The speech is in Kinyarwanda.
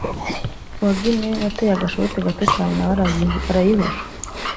uwa Guinea wateye agashoti gato cyane nawe arayihusha